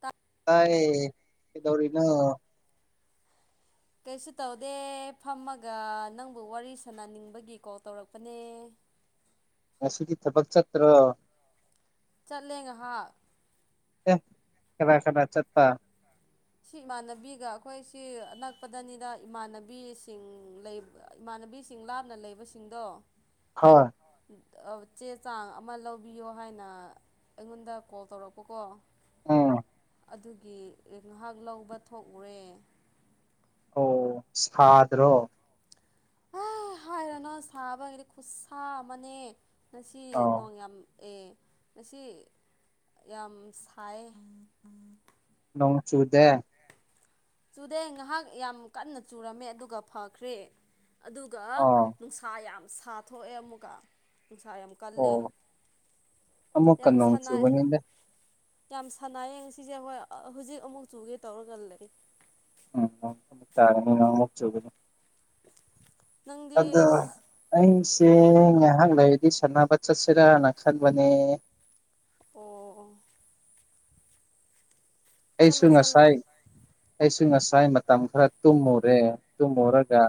ꯇꯥ ꯇꯥꯏ ꯀꯧꯗꯧꯔꯤꯅꯣ ꯀꯩꯁꯨ ꯇꯧꯗꯦ ꯐꯝꯃꯒ ꯅꯪꯕꯨ ꯋꯥꯔꯤ ꯁꯥꯟꯅꯅꯤꯡꯕꯒꯤ ꯀꯣꯜ ꯇꯧꯔꯛꯄꯅꯦ ꯉꯁꯤꯗꯤ ꯊꯕꯛ ꯆꯠꯇ꯭ꯔꯣ ꯆꯠꯂꯦ ꯉꯥꯍꯥꯛ ꯑꯦ ꯀꯅꯥ ꯀꯅꯥ ꯆꯠꯄ ꯁꯤ ꯏꯃꯥꯟꯅꯕꯤꯒ ꯑꯩꯈꯣꯏꯁꯤ ꯑꯅꯛꯄꯗꯅꯤꯗ ꯏꯃꯥꯟꯅꯕꯤꯁꯤꯡ ꯂꯩ ꯏꯃꯥꯟꯅꯕꯤꯁꯤꯡ ꯂꯥꯞꯅ ꯂꯩꯕꯁꯤꯡꯗꯣ ꯍꯣꯏ ꯆꯦ ꯆꯥꯡ ꯑꯃ ꯂꯧꯕꯤꯌꯣ ꯍꯥꯏꯅ ꯑꯩꯉꯣꯟꯗ ꯀꯣꯜ ꯇꯧꯔꯛꯄꯀꯣ ꯎꯝ ꯑꯗꯨꯒꯤ ꯉꯥꯏꯍꯥꯛ ꯂꯧꯕ ꯊꯣꯛꯎꯔꯦ ꯑꯣ ꯁꯥꯗ꯭ꯔꯣ ꯍꯥꯏꯔꯅ‌ꯣ ꯁꯥꯕꯩꯗꯤ ꯈꯨꯠ ꯁꯥꯥ ꯑꯃꯅꯦ ꯉꯁꯤ ꯑꯥꯎ ꯅꯣꯡ ꯌꯥꯝ ꯑꯦ ꯉꯁꯤ ꯌꯥꯝ ꯁꯥꯏꯌ‌ꯦ ꯅ‌ꯣꯡ ꯆꯨꯗꯦ ꯆꯨꯗꯦ ꯉꯥꯏꯍꯥꯛ ꯌꯥꯝ ꯀꯟꯅ ꯆꯨꯔꯝꯃꯦ ꯑꯗꯨꯒ ꯐꯈ꯭ꯔꯦ ꯑꯗꯨꯒ ꯑꯥ ꯅꯨꯡꯁꯥ ꯌꯥꯝ ꯁꯥ ꯊꯣꯛꯑꯦ ꯑꯃꯨꯛꯀ ꯅꯨꯡꯁꯥ ꯌꯥꯝ ꯀꯜꯂꯦ ꯑꯣ ꯑꯃꯨꯛꯀ ꯌꯥꯝ ꯅꯣꯡ ꯁꯅꯥꯏ ꯆꯨꯒꯅꯤꯗ ꯌꯥꯝ ꯁꯥꯟꯅꯩꯌꯦ ꯉ ꯁꯤꯁꯦ ꯍꯣꯏ ꯍꯧꯖꯤꯛ ꯑꯃꯨꯛ ꯆꯨꯒꯦ ꯇꯧꯔꯒ ꯂꯩ ꯎꯝ ꯑꯃꯨꯛ ꯇꯥꯒꯅꯤ ꯅ‌ꯣꯡ ꯑꯃꯨꯛ ꯆꯨꯒꯅꯤ [unintelligible] ꯑꯗꯣ ꯑꯩꯁꯦ ꯉꯥꯏꯍꯥꯛ ꯂꯩꯔꯗꯤ ꯁꯥꯟꯅꯕ ꯆꯠꯁꯤꯔꯥꯅ ꯈꯟꯕꯅꯦ ꯑꯣ ꯑꯣ ꯑꯩꯁꯨ ꯉꯁꯥꯏ ꯑꯩꯁꯨ ꯉꯁꯥꯏ ꯃꯇꯝ ꯈꯔ ꯇꯨꯝꯃꯨꯔꯦ ꯇꯨꯝꯃꯨꯔꯒ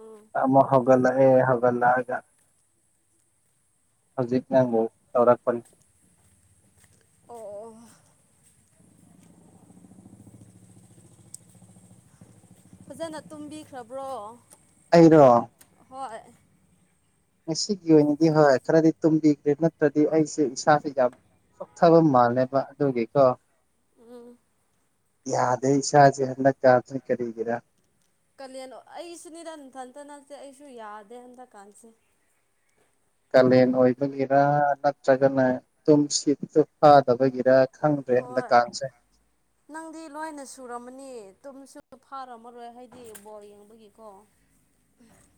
ꯎꯝ ꯑꯃꯨꯛ ꯍꯧꯒꯠꯂꯛꯑꯦ ꯍꯧꯒꯠꯂꯛꯑꯒ ꯍꯧꯖꯤꯛ ꯅꯃꯨꯛ ꯇꯧꯔꯛꯄꯅꯤ ꯑꯣ ꯑꯣ ꯐꯖꯅ ꯇꯨꯝꯕꯤꯈ꯭ꯔꯕ꯭ꯔꯣ ꯑꯩꯔꯣ ꯍꯣꯏ ꯉꯁꯤꯒꯤ ꯑꯣꯏꯅꯗꯤ ꯍꯣꯏ ꯈꯔꯗꯤ ꯇꯨꯝꯕꯤꯈ꯭ꯔꯦ ꯅꯠꯇ꯭ꯔꯗꯤ ꯑꯩꯁꯦ ꯏꯁꯥꯥꯁꯦ ꯌꯥꯝ ꯆꯣꯛꯊꯕ ꯃꯥꯜꯂꯦꯕ ꯑꯗꯨꯒꯤꯀꯣ ꯎꯝ ꯌꯥꯗꯦ ꯏꯁꯥꯖꯤ ꯍꯟꯗꯛ ꯀꯥꯟꯖꯤ ꯀꯔꯤꯒꯤꯔꯥ ꯀꯥꯂꯦꯟ ꯑꯩꯁꯨꯅꯤꯗ ꯅꯊꯟꯇ ꯅꯠꯇꯦ ꯑꯩꯁꯨ ꯌꯥꯗꯦ ꯍꯟꯗꯛ ꯀꯥꯟꯁꯦ ꯀꯥꯂꯦꯟ ꯑꯣꯏꯕꯒꯤꯔꯥ ꯅꯠꯇ꯭ꯔꯒꯅ ꯇꯨꯝꯁꯤꯠ ꯇꯨ ꯐꯥꯗꯕꯒꯤꯔ ꯈꯪꯗ꯭ꯔꯦ ꯍꯣꯏ ꯍꯟꯗꯛꯀꯥꯟꯁꯦ ꯅꯪꯗꯤ ꯂꯣꯏꯅ ꯁꯨꯔꯝꯃꯅꯤ ꯇꯨꯝꯃꯁꯨ ꯐꯥꯔꯝꯃꯔꯣꯏ ꯍꯥꯏꯗꯤ ꯕꯣꯜ ꯌꯦꯡꯕꯒꯤꯀꯣ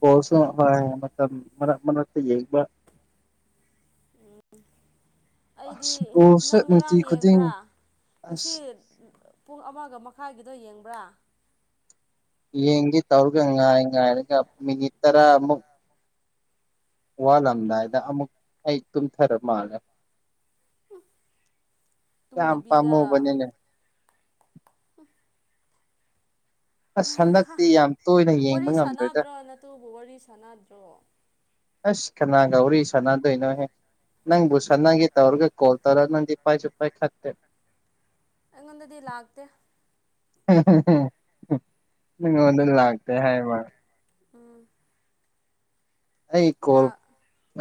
ꯕꯣꯜꯁꯨ ꯍꯣꯏ ꯃꯇꯝ ꯃꯔꯛ-ꯃꯔꯛꯇ ꯌꯦꯡꯕ ꯎꯝ ꯑꯩꯗꯤ ꯑꯁ ꯕꯣꯜꯁꯦ ꯅꯪ ꯅꯨꯡꯇꯤ ꯉꯔꯥꯡ ꯈꯨꯗꯤꯡ ꯌꯦꯡꯕ꯭ꯔꯥ ꯉꯁꯤ ꯑꯁ ꯄꯨꯡ ꯑꯃꯒ ꯃꯈꯥꯏꯒꯤꯗꯣ ꯌꯦꯡꯕ꯭ꯔꯥ ꯌꯦꯡꯒꯦ ꯇꯧꯔꯒ ꯉꯥꯏ-ꯉꯥꯏꯔꯒ ꯃꯤꯅꯤꯠ ꯇꯔꯥꯃꯨꯛ ꯋꯥꯠꯂꯝꯗꯥꯏꯗ ꯑꯃꯨꯛ ꯑꯩ ꯇꯨꯝꯊꯔ ꯃꯥꯜꯂꯦ ꯌꯥꯝ ꯇꯨꯝꯗꯕꯤꯗ ꯄꯥꯝꯃꯨꯕꯅꯤꯅꯦ ꯑꯁ ꯍꯟꯗꯛꯇꯤ ꯌꯥꯝ ꯇꯣꯏꯅ ꯌꯦꯡꯕ ꯉꯝꯗ꯭ꯔꯦꯗ ꯇꯨꯕꯨ ꯋꯥꯔꯤ ꯁꯥꯟꯅꯗ꯭ꯔꯣ ꯑꯁ ꯀꯅꯥꯒ ꯋꯥꯔꯤ ꯁꯥꯟꯅꯗꯣꯏꯅꯣꯍꯦ ꯅꯪꯕꯨ ꯁꯥꯟꯅꯒꯦ ꯇꯧꯔꯒ ꯀꯣꯜ ꯇꯧꯔ ꯅꯪꯗꯤ ꯄꯥꯏꯁꯨ ꯄꯥꯏꯈꯠꯇꯦ ꯑꯩꯉꯣꯟꯗꯗꯤ ꯂꯥꯛꯇꯦ ꯍꯝ ꯍꯝ ꯍꯝ ꯅꯉꯣꯟꯗ ꯂꯥꯛꯇꯦ ꯍꯥꯏꯕ ꯎꯝ ꯑꯩ ꯀꯣꯜ ꯂꯥꯛ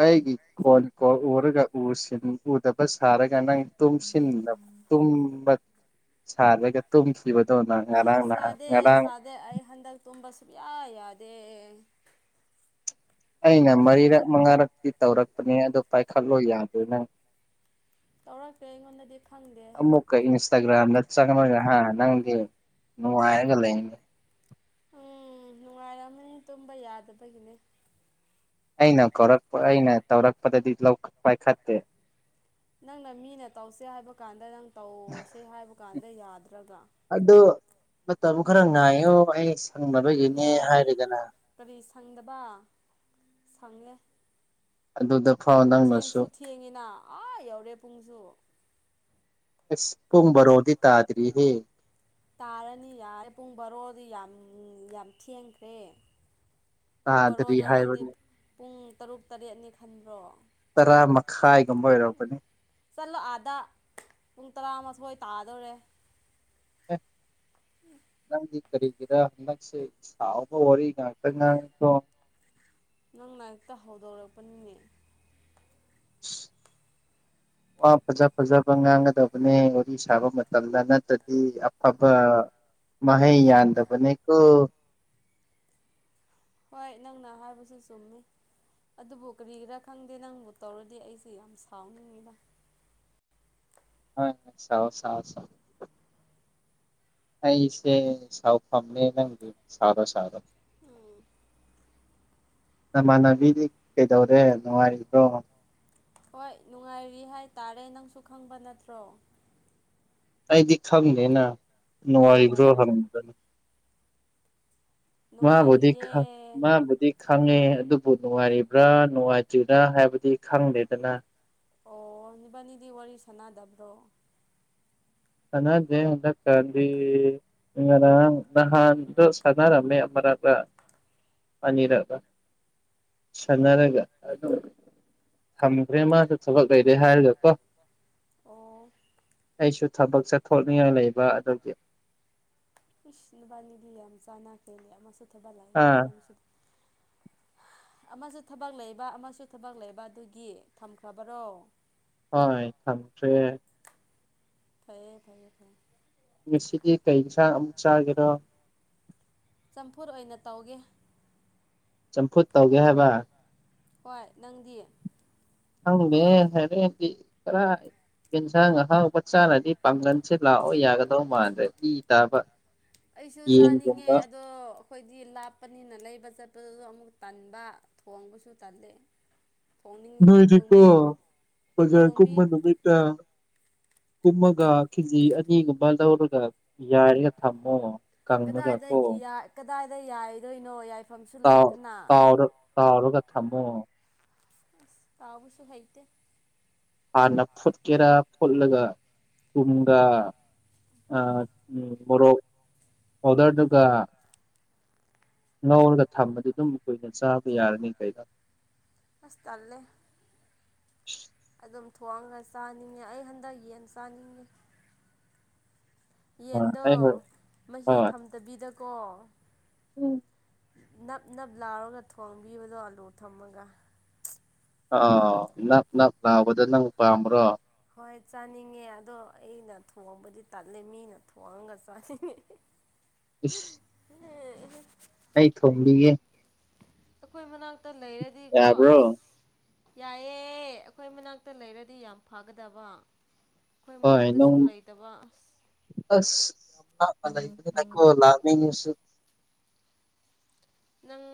ꯑꯩꯒꯤ ꯐꯣꯜ ꯀꯣꯟ ꯎꯔꯒ ꯎꯁꯤꯟ ꯎꯗꯕ ꯁꯥꯔꯒ ꯅꯪ ꯇꯨꯡꯁꯤꯟꯗꯞ ꯇꯨꯝꯕꯠ ꯁꯥꯔꯒ ꯇꯨꯝꯈꯤꯕꯗꯣ ꯅꯪ ꯉꯔꯥꯡ ꯅꯍꯥꯟ ꯉꯔꯥꯡ ꯑꯗꯩ ꯑꯩ ꯍꯟꯗꯛ ꯇꯨꯝꯕ ꯁꯨꯡꯌꯥ ꯌꯥꯗꯦ ꯑꯩꯅ ꯃꯔꯤꯔꯛ ꯃꯉꯥꯔꯛꯇꯤ ꯇꯧꯔꯛꯄꯅꯦ ꯑꯗꯨ ꯄꯥꯏꯈꯠꯂꯣ ꯌꯥꯗꯦ ꯅꯪ ꯇꯧꯔꯛꯇꯦ ꯑꯩꯉꯣꯟꯗꯗꯤ ꯈꯪꯗꯦ ꯑꯃꯨꯛꯀ ꯏꯟꯁꯇꯥꯒ꯭ꯔꯥꯝꯗ ꯆꯪꯔꯒ ꯍꯥ ꯅꯪꯗꯤ ꯅꯨꯡꯉꯥꯏꯔꯒ ꯂꯩ ꯎꯝ ꯅꯨꯡꯉꯥꯏꯔꯝꯃꯅꯤ ꯇꯨꯝꯕ ꯌꯥꯗꯕꯒꯤꯅꯦ ꯑꯩꯅ ꯀꯧꯔꯛꯄ ꯑꯩꯅ ꯇꯧꯔꯛꯄꯗꯗꯤ ꯂꯧ ꯄꯥꯏꯈꯠꯇꯦ ꯅꯪꯅ ꯃꯤꯅ ꯇꯧꯁꯦ ꯍꯥꯏꯕ ꯀꯥꯟꯗ ꯅꯪ ꯇꯧꯁꯦ ꯍꯥꯏꯕ ꯀꯥꯟꯗ ꯌꯥꯗ꯭ꯔꯒ꯭ꯔꯥ ꯑꯗꯨ ꯃꯇꯝ ꯈꯔ ꯉꯥꯏꯌꯣ ꯑꯩ ꯁꯪꯅꯕꯒꯤꯅꯦ ꯌꯥꯔꯦ ꯍꯥꯏꯔꯗꯅ ꯀꯔꯤ ꯁꯪꯗꯕ ꯁꯪꯂꯦ ꯑꯗꯨꯗ ꯐꯥꯎ ꯅꯪꯅꯁꯨ ꯊꯦꯡꯉꯤꯅ ꯑꯥ ꯌꯧꯔꯦ ꯄꯨꯡꯁꯨ ꯑꯁ ꯄꯨꯡꯕꯔꯣꯗꯤ ꯇꯥꯗ꯭ꯔꯤꯍꯦ ꯇꯥꯔꯅꯤ ꯌꯥꯔꯦ ꯄꯨꯡ ꯕꯥꯔꯣꯗꯤ ꯌꯥꯝ-ꯌꯥꯝ ꯊꯦꯡꯈ꯭ꯔꯦ ꯄꯨꯡ ꯇꯥꯗ꯭ꯔꯤ ꯕꯥꯔꯣꯗꯣ ꯅꯪꯗꯤ ꯍꯥꯏꯕꯅꯤ ꯄꯨꯡ ꯇꯔꯨꯛ ꯇꯔꯦꯠꯅꯤ ꯈꯟꯕ꯭ꯔꯣ ꯇꯔꯥ ꯃꯈꯥꯏꯒꯨꯝꯕ ꯑꯣꯏꯔꯝꯒꯅꯤ ꯆꯠꯂꯣ ꯑꯥꯗ ꯄꯨꯡ ꯇꯔꯥꯃꯥꯊꯣꯏ ꯇꯥꯗꯧꯔꯦ ꯑꯦ ꯅꯪꯗꯤ ꯀꯔꯤꯒꯤꯔ ꯍꯟꯗꯛꯁꯦ ꯁꯥꯎꯕ ꯋꯥꯔꯤ ꯉꯥꯛꯇ ꯉꯥꯡꯉꯤꯗꯣ ꯅꯪꯅ ꯍꯦꯛꯇ ꯍꯧꯗꯣꯔꯛꯄꯅꯤꯅꯦ ꯋꯥ ꯐꯖ ꯐꯖꯕ ꯉꯥꯡꯒꯗꯧ ꯋꯥꯔꯤ ꯁꯥꯕ ꯃꯇꯝꯗ ꯅꯠꯇ꯭ꯔꯗꯤ ꯑꯐꯕ ꯃꯍꯩ ꯌꯥꯟꯗꯕꯅꯤ ꯀꯣ ꯍꯣꯏ ꯅꯪꯅ ꯍꯥꯏꯕꯁꯨ ꯆꯨꯝꯃꯤ ꯑꯗꯨꯕꯨ ꯀꯔꯤꯒꯤꯔꯥ ꯈꯪꯗꯦ ꯅꯪꯕꯨ ꯇꯧꯔꯗꯤ ꯑꯩꯁꯦ ꯌꯥꯝ ꯁꯥꯎꯅꯤꯡꯉꯤꯅ ꯍꯣꯏ ꯁꯥꯎ ꯁꯥꯎ ꯁꯥꯎ ꯑꯩꯁꯦ ꯁꯥꯎ ꯐꯝꯅꯦ ꯅꯪꯒꯤ ꯁꯥꯎꯔꯣ ꯁꯥꯎꯔꯣ ꯎꯝ ꯅꯃꯥꯟꯅꯕꯤꯗꯤ ꯀꯩꯗꯧꯔꯦ ꯅꯨꯡꯉꯥꯏꯔꯤꯕ꯭ꯔꯣ ꯍꯣꯏ ꯅꯨꯡꯉꯥꯏꯔꯤ ꯍꯥꯏꯇꯥꯔꯦ ꯅꯪꯁꯨ ꯈꯪꯕ ꯅꯠꯇ꯭ꯔꯣ ꯑꯩꯗꯤ ꯈꯪꯗꯦꯅ ꯑꯣ ꯑꯣ ꯅꯨꯡꯉꯥꯏꯕ꯭ꯔꯣ ꯑꯣ ꯍꯪꯕꯅ ꯃꯥꯕꯨꯗꯤ ꯅꯨꯡꯉꯥꯏꯔꯤꯌꯦ ꯈꯪ ꯃꯥꯕꯨꯗꯤ ꯈꯪꯉꯦ ꯑꯗꯨꯕꯨ ꯅꯨꯡꯉꯥꯏꯔꯤꯕ꯭ꯔꯥ ꯅꯨꯡꯉꯥꯏꯇ꯭ꯔꯤꯕ꯭ꯔꯥ ꯍꯥꯏꯕꯗꯤ ꯈꯪꯗꯦꯗꯅ ꯑꯣ ꯅꯤꯕꯥꯅꯤꯗꯤ ꯋꯥꯔꯤ ꯁꯥꯟꯅꯗꯕ꯭ꯔꯣ ꯁꯅꯥꯗꯦ ꯍꯟꯗꯛ ꯀꯥꯗꯤ ꯉꯔꯥꯡ ꯅꯍꯥꯟꯗꯣ ꯁꯥꯟꯅꯔꯝꯅꯦ ꯑꯃꯔꯥꯛꯂ ꯑꯅꯤꯔꯛꯂ ꯁꯅꯔꯒ ꯑꯗꯨ ꯊꯝꯈ꯭ꯔꯦ ꯃꯥꯁꯨ ꯊꯕꯛ ꯂꯩꯔꯦ ꯍꯥꯏꯔꯒꯀꯣ ꯑꯣ ꯑꯩꯁꯨ ꯊꯕꯛ ꯆꯠꯊꯣꯛꯅꯤꯡꯉꯥꯏ ꯂꯩꯕ ꯑꯗꯨꯒꯤ ꯏꯁ ꯅꯨꯕꯥꯅꯤꯗꯤ ꯌꯥꯝ ꯆꯥꯟꯅ ꯈꯔꯦ ꯑꯃꯁꯨ ꯊꯕꯛ ꯂꯩꯕ ꯑꯥ ꯅꯪꯁꯨ ꯑꯃꯁꯨ ꯊꯕꯛ ꯂꯩꯕ ꯑꯃꯁꯨ ꯊꯕꯛ ꯂꯩꯕ ꯑꯗꯨꯒꯤ ꯊꯝꯈ꯭ꯔꯕꯔꯣ ꯍ ꯏ ꯊꯥꯟ꯭ꯔꯦ ꯐꯌꯦꯦ ꯐꯑꯦ ꯐꯌꯦꯦ ꯉꯁꯤꯗꯤ ꯀꯩꯒꯤ ꯁꯥꯥꯡ ꯑꯃꯨꯛ ꯆꯥꯒꯦꯔꯣ ꯆꯝꯐꯨꯠ ꯑꯣꯏꯅ ꯇꯧꯒꯦ ꯆꯝꯐꯨꯠ ꯇꯧꯒꯦ ꯍꯥꯏꯕ ꯍꯣꯏ ꯅꯪꯗꯤ ꯍꯪꯗꯦ ꯍꯥꯏꯔꯦꯗꯤ ꯈꯔ ꯌꯦꯟꯁꯥꯡ ꯑꯍꯥꯎꯕ ꯆꯥꯅꯗꯤ ꯄꯥꯡꯒꯟ ꯁꯦ ꯂꯥꯛꯑꯣ ꯌꯥꯒꯗꯧ ꯃꯥꯟꯗ꯭ꯔꯦ ꯏ ꯇꯥꯕ ꯑꯩꯁꯨ ꯆꯥꯅꯤꯡꯉꯦ ꯌꯦꯟꯒꯨꯝꯕ ꯑꯗꯣ ꯑꯩꯈꯣꯏꯗꯤ ꯂꯥꯞꯄꯅꯤꯅ ꯂꯩꯕ ꯆꯠꯄꯗꯨꯁꯨ ꯑꯃꯨꯛ ꯇꯟꯕ ꯊꯣꯡꯕꯁꯨ ꯇꯜꯜꯂꯤ ꯅꯏꯗꯤꯀꯣ ꯖꯔ ꯀ ꯊꯣꯡꯕꯤ ꯃꯥꯟꯨ ꯃꯦꯇꯥ ꯀꯨꯝꯃꯒ ꯀꯦꯖꯤ ꯑꯅꯤꯒꯨꯝꯕ ꯂꯧꯔꯒ ꯌꯥꯔꯒ ꯊꯝꯃꯣ ꯀꯪꯉꯒ ꯀꯗꯥꯏ ꯀꯣ ꯀꯗꯥꯏꯗ ꯌꯥꯏꯗꯣꯏꯅꯣ ꯌꯥꯏꯐꯝꯁꯨ ꯇꯥꯎ ꯂꯩꯇꯅ ꯇꯥꯎꯔ ꯀ ꯊꯃꯣ ꯇꯥꯕꯨꯁꯨꯁꯨ ꯍꯥꯏꯇ ꯍꯥꯟꯅ ꯐꯨꯠꯀꯦꯔꯥ ꯐꯨꯠꯂꯒ ꯀꯨꯝꯒ ꯎꯝ ꯃꯣꯔꯣꯛ ꯄꯥꯎꯗꯔꯗꯨꯒ ꯉꯥꯎꯔꯒ ꯊꯝꯃꯗꯤ ꯑꯗꯨꯝ ꯀꯨꯏꯅ ꯆꯥꯕ ꯌꯥꯔꯅꯤ ꯀꯩꯗ ꯍꯁꯇꯥꯜꯂꯦ ꯑꯗꯨꯝ ꯊ ꯊꯣꯛꯑꯒ ꯆꯥꯅꯤꯡꯉꯦ ꯑꯩ ꯍꯟꯗꯛ ꯌꯦꯟ ꯆꯥꯅꯤꯡꯉꯦ ꯍꯣꯏ ꯌꯦꯟꯗꯣ ꯑꯩ ꯍꯣꯏ ꯃꯍꯤ ꯊꯝꯗꯕꯤꯗꯀꯣ ꯎꯝ ꯅꯞ ꯅꯞ ꯂꯥꯎꯔꯒ ꯊꯣꯡꯕꯤꯕꯗꯣ ꯑꯥꯂꯨ ꯊꯝꯃꯒ ꯑꯥ ꯅꯛ ꯅꯛ ꯂꯥꯎꯕꯗ ꯅꯪ ꯄꯥꯝꯕ꯭ꯔꯣ ꯍꯣꯏ ꯆꯥꯅꯤꯡꯉꯦ ꯑꯗꯣ ꯑꯩꯅ ꯊꯣꯡꯕꯗꯤ ꯇꯠꯂꯦ ꯃꯤꯅ ꯊꯣꯡꯉꯒ ꯆꯥꯅꯤꯡꯉꯦ ꯏꯁ ꯑꯩ ꯊ ꯊꯣꯛꯂꯤꯒꯦ ꯑꯩꯈꯣꯏ ꯃꯅꯥꯛꯇ ꯂꯩꯔꯗꯤꯀꯣ ꯌꯥꯕ꯭ꯔꯣ ꯑꯁ ꯌꯥꯏꯑꯦ ꯑꯩꯈꯣꯏ ꯃꯅꯥꯛꯇ ꯂꯩꯔꯗꯤ ꯌꯥꯝ ꯐꯒꯗꯕ ꯑꯩꯈꯣꯏ ꯍꯣꯏ ꯅꯪ ꯃꯅꯥꯛꯇꯁꯨ ꯂꯩꯇꯕ ꯑ ꯑꯁ ꯌꯥꯝꯣ ꯂꯥꯔꯅꯤꯡ ꯅꯪ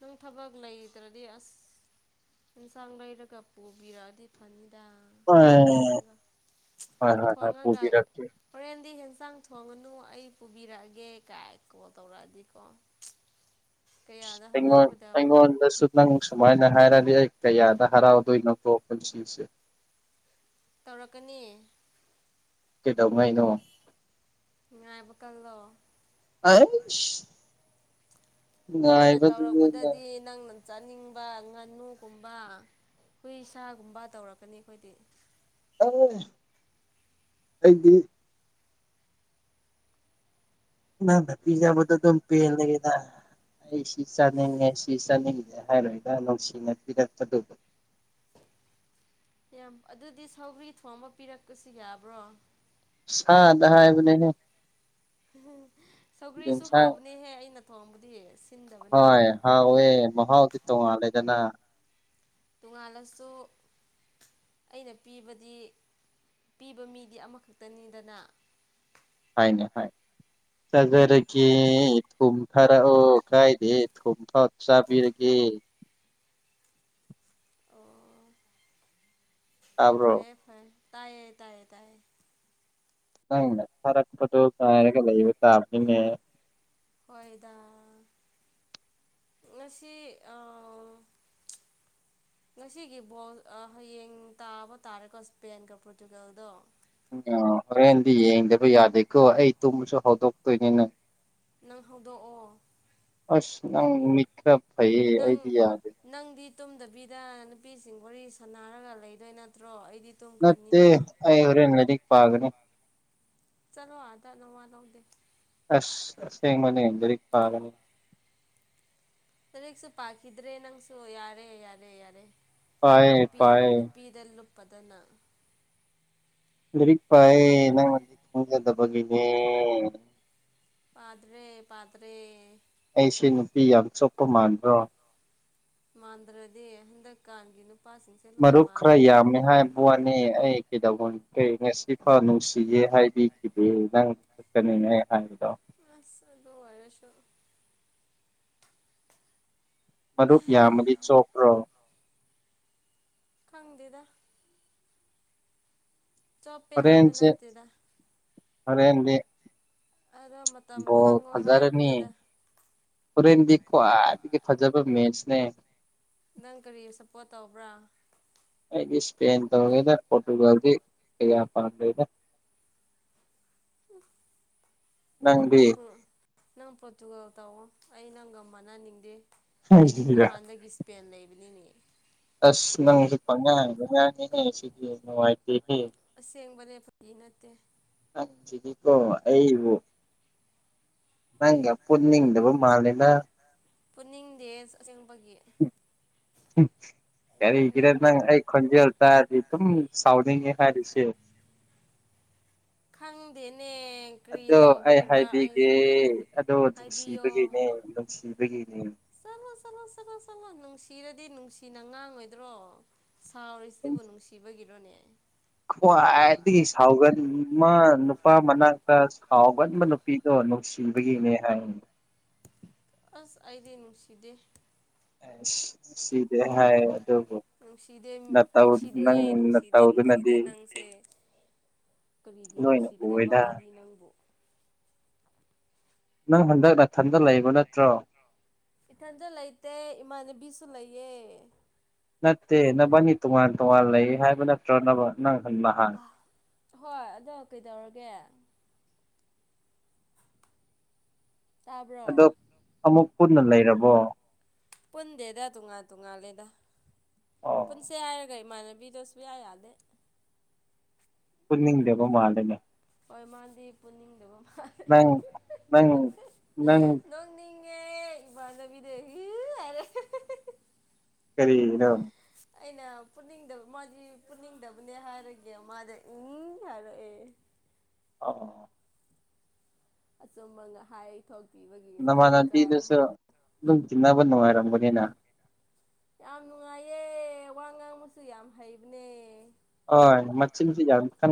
ꯅꯪ ꯊꯕꯛ ꯂꯩꯇ꯭ꯔꯗꯤ ꯑꯁ ꯌꯦꯟꯁꯥꯡ ꯂꯩꯔꯒ ꯄꯨꯕꯤꯔꯛꯑꯗꯤ ꯐꯅꯤꯗ ꯍꯣꯏ ꯊꯣꯡꯉꯒ ꯍꯣꯏ ꯍꯣꯏ ꯍꯣꯏ ꯊꯣꯡꯉꯒ ꯄꯨꯕꯤꯔꯛꯀꯦ ꯍꯣꯔꯦꯟꯗꯤ ꯍꯦꯟꯁꯥꯡ ꯊꯣꯡꯉꯅꯨ ꯑꯩ ꯄꯨꯕꯤꯔꯛꯑꯒꯦ ꯀꯥꯏ ꯀꯣꯜ ꯇꯧꯔꯛꯑꯗꯤꯀꯣ ꯀꯌꯥꯗ ꯑꯩꯉꯣꯟ ꯍꯔꯥꯎꯒꯗꯕ ꯑꯩꯉꯣꯟꯗ ꯁ ꯅꯪ ꯁꯨꯃꯥꯏꯅ ꯍꯥꯏꯔꯗꯤ ꯑꯩ ꯀꯌꯥꯗ ꯍꯔꯥꯎꯗꯣꯏꯅꯣ ꯇꯣꯛꯄ ꯁꯤꯁꯦ ꯇꯧꯔꯛꯀꯅꯤ ꯀꯩꯗꯧꯉꯩꯅꯣ ꯉꯥꯏꯕ ꯀꯗꯑꯣ ꯑꯔꯁ ꯑꯩꯈꯣꯏꯅ ꯉꯥꯏꯕꯗꯨꯗ ꯇꯧꯔꯛꯄꯗꯗꯤ ꯅꯪꯅ ꯆꯥꯅꯤꯡꯕ ꯉꯥꯅꯨꯒꯨꯝꯕ ꯈꯨ ꯁꯥꯥꯒꯨꯝꯕ ꯇꯧꯔꯛꯀꯅꯤ ꯑꯩꯈꯣꯏꯗꯤ ꯑꯣ ꯑꯩꯗꯤ ꯅ ꯅ ꯄꯤꯖꯥ ꯃ ꯄꯦ ꯂꯩꯒꯦꯗ ꯑꯩ ꯁꯤ ꯆꯥꯅꯤꯡꯉꯦ ꯁꯤ ꯆꯥꯅꯤꯡꯉꯦ ꯍꯥꯏꯔꯣꯏꯒ ꯅꯨꯡꯁꯤꯅ ꯄꯤꯔꯛꯄꯗꯨꯕꯨ ꯌꯥꯝ ꯑꯗꯨꯗꯤ ꯁꯧꯒ꯭ꯔꯤ ꯊꯣ ꯑꯃ ꯄꯤꯔꯛꯄꯁꯨ ꯌꯥꯕ꯭ꯔꯣ ꯁꯥꯗ ꯍꯥꯏꯕꯅꯦꯍꯦ ꯁꯒꯂꯤꯁꯨ ꯍꯥ ꯌꯦꯟꯁꯥꯡ ꯅꯦꯍꯦ ꯑꯩꯅ ꯊꯣꯡꯕꯗꯤ ꯌꯦꯡꯁꯦ ꯍꯣꯏ ꯍꯥꯎ ꯑꯣꯏꯋꯦ ꯃꯍꯥꯎꯥꯎꯗꯤ ꯇꯣ ꯑꯂꯦꯗꯅꯥ ꯇꯣꯉꯥꯜꯂꯁꯨ ꯑꯩꯅ ꯄꯤꯕꯗꯤ ꯄꯤꯕ ꯃꯤꯗꯤ ꯑꯃꯈꯛꯇꯅꯤꯗꯅ ꯍꯥꯏꯅꯦ ꯍꯥꯏꯅꯦ ꯆꯥꯖꯔꯒꯦ ꯊꯨꯝ ꯊꯔꯛꯑꯣ ꯀꯥꯏꯗꯦ ꯊꯨꯝ [unintelligible] ꯆꯥꯕꯤꯔꯒꯦ ꯑꯣ ꯇꯥꯕ꯭ꯔꯣ ꯐꯩꯌꯦ ꯐꯩ ꯇꯥꯏꯌꯦ ꯇꯥꯏꯌꯦ ꯇꯥꯏ ꯅꯪꯅ ꯊꯥꯔꯛꯄꯗꯣ ꯉꯥꯢꯔꯒ ꯂꯩꯕ ꯇꯥꯕꯅꯤꯅꯦ ꯍꯣꯏꯗ ꯉꯁꯤ ꯑꯥ ꯉꯁꯤꯒꯤ ꯕꯣꯜ ꯑꯥ ꯍꯌꯦꯡ ꯇꯥꯕ ꯇꯥꯔꯦꯀꯣ ꯁ꯭ꯄꯦꯟꯒ ꯄꯣꯔꯇꯨꯒꯜꯗꯣ ꯎ ꯍꯣꯔꯦꯟꯗꯤ ꯌꯦꯡꯗꯕ ꯌꯥꯗꯦꯀꯣ ꯑꯩ ꯇꯨꯝꯕꯁꯨ ꯍꯧꯗꯣꯛꯇꯣꯏꯅꯤꯅ ꯅꯪ ꯍꯧꯗꯣꯛꯑꯣ ꯑꯁ ꯅꯪ ꯃꯤꯠ ꯈꯔ ꯐꯩꯌꯦ ꯅꯪ ꯑꯩꯗꯤ ꯌꯥꯗꯦ ꯅꯪꯗꯤ ꯇꯨꯝꯗꯕꯤꯗ ꯅꯨꯄꯤꯁꯤꯡ ꯋꯥꯔꯤ ꯁꯥꯟꯅꯔꯒ ꯂꯩꯗꯣꯏ ꯅꯠꯇ꯭ꯔꯣ ꯑꯩꯗꯤ ꯅꯠꯇꯦ ꯇꯨꯝꯈ꯭ꯔꯅꯤꯅ ꯍꯣꯔꯦꯜ ꯂꯥꯏꯔꯤꯛ ꯄꯒꯅꯤ ꯆꯠꯂꯣ ꯑꯗꯥ ꯅꯋꯥ ꯂꯧꯗꯦ ꯑꯁ ꯑꯥꯁꯦꯡꯕꯅꯦ ꯂꯥꯏꯔꯤꯛ ꯄꯒꯅꯤ ꯂꯥꯢꯔꯤꯛꯁꯨ ꯄꯥꯈꯤꯗ꯭ꯔꯦ ꯅꯪꯁꯨ ꯌꯥꯔꯦ ꯌꯥꯔꯦ ꯌꯥꯔꯦ ꯄꯥꯏꯌꯦ ꯅꯨꯄꯤ ꯄꯥꯏꯌꯦ ꯅꯨꯄꯤ ꯃꯅ [unintelligible] ꯂꯨꯞꯄꯗꯅ ꯂꯩꯔꯤꯛ ꯄꯥꯏꯌꯦ ꯅꯪꯅ ꯈꯪꯖꯥꯗꯕꯒꯤꯅꯦ ꯄꯥꯗ꯭ꯔꯦ ꯄꯥꯇ꯭ꯔꯦ ꯑꯩꯁꯦ ꯅꯨꯄꯤ ꯌꯥꯝ ꯆꯣꯞꯄ ꯃꯥꯟꯕ꯭ꯔꯣ ꯃꯥꯟꯗ꯭ꯔꯗꯤ ꯍꯟꯗꯛꯀꯥꯟꯒꯤꯅ ꯃꯔꯨꯞ ꯈꯔ ꯌꯥꯝꯃꯦ ꯍꯥꯏꯕ ꯋꯥꯅꯤ ꯑꯩ ꯀꯩꯗꯧꯕꯅꯤ ꯀꯩ ꯉꯁꯤ ꯐꯥ ꯅꯨꯡꯁꯤꯒꯦ ꯍꯥꯏꯕꯤꯈꯤꯗꯦ ꯅꯪ ꯈꯛꯇꯅꯤꯅꯦ ꯑꯩ ꯍꯥꯏꯕꯗꯣ ꯑꯁ ꯑꯗꯨ ꯑꯣꯢꯔꯁꯨ ꯃꯔꯨꯞ ꯌꯥꯝꯃꯗꯤ ꯆꯣꯞꯄ꯭ꯔꯣ ꯈꯪꯗꯦꯗ ꯆꯞꯄꯦ ꯍꯥꯏꯕ ꯍꯣꯔꯦꯟꯁꯦ ꯅꯠꯇꯦꯗ ꯍꯣꯔꯦꯟꯗꯤ ꯑꯗꯣ ꯃꯇꯝ ꯕꯣꯜ ꯈꯪꯉꯣ ꯐꯖꯔꯅꯤ ꯍꯥꯏꯕꯅꯤꯗ ꯍꯣꯔꯦꯟꯗꯤ ꯈ꯭ꯋꯥꯏꯗꯒꯤ ꯐꯖꯕ ꯃꯦꯁꯅꯦ ꯅꯪ ꯀꯔꯤ ꯁꯞꯄꯣꯔꯠ ꯇꯧꯕ꯭ꯔꯥ ꯑꯩꯗꯤ ꯏꯁꯄꯦꯟ ꯇꯧꯒꯦꯗ ꯄꯣꯔꯇꯨꯒꯜꯗꯤ ꯀꯌꯥ ꯄꯥꯝꯗꯦꯗ [unintelligible] ꯅꯪꯗꯤ ꯅꯪ ꯄꯣꯔꯇꯨꯒꯜ ꯇꯧꯑꯣ ꯑꯩ ꯅꯪꯒ ꯃꯥꯟꯅꯅꯤꯡꯗꯦ ꯑꯩꯗꯤ ꯉꯍꯥꯟꯗꯒꯤꯁ ꯄꯦꯟ ꯂꯩꯕꯅꯤꯅꯦ ꯑꯁ ꯅꯪꯖꯦ ꯄꯪꯉꯥꯡꯗ ꯉꯥꯡꯉꯤꯍꯦ ꯁꯤꯗꯤ ꯅꯨꯡꯉꯥꯏꯇꯦꯍꯦ ꯑꯁꯦꯡꯕꯅꯦ ꯐꯥꯒꯤ ꯅꯠꯇꯦ ꯑꯪꯁꯤꯗꯤ ꯀꯣ ꯑꯩꯕꯨ ꯅꯪꯒ ꯄꯨꯅꯤꯡꯗꯕ ꯃꯥꯂꯦꯗ ꯄꯨꯅꯤꯡꯗꯦ ꯑꯁꯦꯡꯕꯒꯤ ꯀꯔꯤꯒꯤꯔ ꯅꯪ ꯑꯩ ꯈꯣꯟꯖꯦꯜ ꯇꯥꯔꯗꯤ ꯑꯗꯨꯝ ꯁꯥꯎꯅꯤꯡꯉꯦ ꯍꯥꯏꯔꯤꯁꯦ ꯈꯪꯗꯦꯅꯦ ꯀꯔꯤ ꯑꯗꯣ ꯑꯩ ꯇꯧꯕꯒꯤꯔ ꯍꯥꯏꯕꯤꯒꯦ ꯑꯩꯁꯦ ꯑꯗꯣ ꯍꯥꯏꯕꯤꯌꯣ ꯅꯨꯡꯁꯤꯕꯒꯤꯅꯦ ꯅꯨꯡꯁꯤꯕꯒꯤꯅꯦ ꯆꯠꯂꯣ ꯆꯠꯂꯣ ꯆꯠꯂꯣ ꯆꯠꯂꯣ ꯅꯨꯡꯁꯤꯔꯗꯤ ꯅꯨꯡꯁꯤꯅ ꯉꯥꯡꯉꯣꯏꯗ꯭ꯔꯣ ꯁꯥꯎꯔꯤꯁꯤꯕꯨ ꯅꯨꯡꯁꯤꯕꯒꯤꯔꯣꯅꯦ ꯈ꯭ꯋꯥꯏꯗꯒꯤ ꯁꯥꯎꯒꯟ ꯃꯥ ꯅꯨꯄꯥ ꯃꯅꯥꯛꯇ ꯁꯥꯎꯒꯟꯕ ꯅꯨ ꯅꯨꯄꯤꯗꯣ ꯅꯨꯡꯁꯤꯕꯒꯤꯅꯦ ꯍꯥꯢꯕꯅꯦ ꯑꯁ ꯑꯩꯗꯤ ꯅꯨꯡꯁꯤꯗꯦ ꯑꯁ ꯅꯨꯡꯁꯤꯗꯦ ꯍꯥꯏꯌꯦ ꯑꯗꯨꯕꯨ ꯅꯨꯡꯁꯤꯗꯦ ꯅꯇꯧ ꯅꯨꯡꯁꯤꯗꯦ ꯅꯪ ꯅꯨꯡꯁꯤꯗꯦ ꯅꯨꯡꯁꯤꯗꯦ ꯅꯇꯧꯗꯨꯅꯗꯤ ꯅꯪꯁꯦ ꯀꯔꯤꯒꯤ ꯂꯣꯏꯅ ꯅꯨꯡꯁꯤꯒꯗꯕ ꯎꯏꯗ ꯑꯩꯗꯤ ꯅꯪꯕꯨ ꯅꯪ ꯍꯟꯗꯛ ꯅꯥꯊꯟꯗ ꯂꯩꯕ ꯅꯠꯇ꯭ꯔꯣ ꯏꯊꯟꯗ ꯂꯩꯇꯦ ꯏꯃꯥꯟꯅꯕꯤꯁꯨ ꯂꯩꯌꯦ ꯅꯠꯇꯦ ꯅꯕꯅꯤ ꯇꯣꯉꯥꯟ ꯇꯣꯉꯥꯟ ꯂꯩ ꯍꯥꯏꯕ ꯅꯠꯇ꯭ꯔꯣꯅꯕ ꯅꯪ ꯅꯍꯥ ꯑ ꯍꯣꯏ ꯑꯗꯣ ꯀꯩꯗꯧꯔꯒꯦ ꯇꯥꯕ꯭ꯔꯣ ꯑꯗꯣ ꯑꯃꯨꯛ ꯄꯨꯟꯅ ꯂꯩꯔꯕꯣ ꯄꯨꯟꯗꯦꯗ ꯇꯣꯉꯥꯟ ꯇꯣꯉꯥꯜꯂꯦꯗ ꯑꯣ ꯄꯨꯟꯁꯦ ꯍꯥꯏꯔꯒ ꯏꯃꯥꯟꯅꯕꯤꯗꯣ ꯁꯨꯌꯥ ꯌꯥꯗꯦ ꯄꯨꯅꯤꯡꯗꯕ ꯃꯥꯂꯦꯅꯦ ꯍꯣꯏ ꯃꯥꯗꯤ ꯄꯨꯅꯤꯡꯗꯕ ꯃꯥꯜ ꯅꯪ ꯅꯪ ꯅꯪ ꯅꯣꯛꯅꯤꯡꯉꯦ ꯏꯃꯥꯟꯅꯕꯤꯗꯒꯤ ꯍꯥꯏꯔꯦ ꯀꯔꯤꯒꯤꯅꯣ ꯑꯩꯅ ꯄꯨꯅꯤꯡꯗꯕ ꯃꯥꯗꯤ ꯄꯨꯅꯤꯡꯗꯕꯅꯦ ꯍꯥꯏꯔꯒꯦ ꯃꯥꯗꯤ ꯎꯝ ꯍꯥꯏꯔꯛꯑꯦ ꯑꫭ ꯑꯗꯨꯃꯛꯅ ꯍꯥꯏ ꯊꯣꯛꯄꯤꯕꯒꯤ ꯅꯃꯅꯕꯤꯗꯨꯁꯨ ꯑꯗꯨꯝ ꯇꯤꯅꯕ ꯅꯨꯡꯉꯥꯏꯔꯝꯒꯅꯤꯅ ꯌꯥꯝ ꯅꯨꯡꯉꯥꯏꯌꯦ ꯋꯥ ꯉꯥꯡꯕꯁꯨ ꯌꯥꯝ ꯍꯩꯕꯅꯦ ꯑꯣꯏ ꯃꯆꯤꯟꯗꯤ ꯌꯥꯝ ꯀꯟ